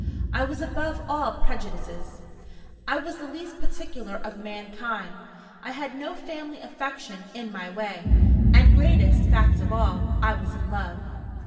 I was above all prejudices. I was the least particular of mankind. I had no family affection in my way and, greatest fact of all, I was in love.